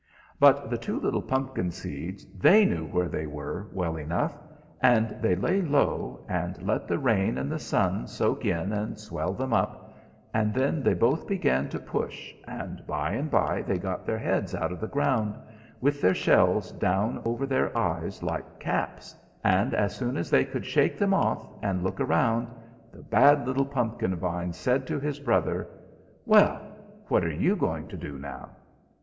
"But the two little pumpkin seeds, they knew where they were well enough, and they lay low, and let the rain and the sun soak in and swell them up; and then they both began to push, and by and by they got their heads out of the ground, with their shells down over their eyes like caps, and as soon as they could shake them off and look round, the bad little pumpkin vine said to his brother: "'Well, what are you going to do now?'